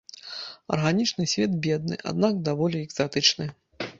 Арганічны свет бедны, аднак даволі экзатычны.